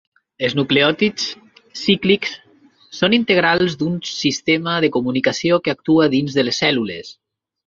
Els nucleòtids cíclics són integrals d'un sistema de comunicació que actua dins de les cèl·lules.